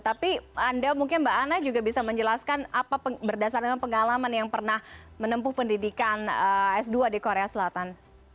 tapi anda mungkin mbak anna juga bisa menjelaskan apa berdasarkan pengalaman yang pernah menempuh pendidikan s dua di korea selatan